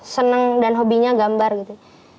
seneng dan hobinya gambar gitu